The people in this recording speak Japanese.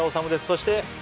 そして。